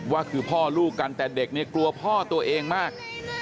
ว่าคือพ่อลูกกันแต่เด็กเนี่ยกลัวพ่อตัวเองมาก